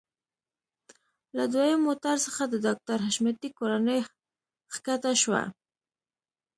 له دويم موټر څخه د ډاکټر حشمتي کورنۍ ښکته شوه.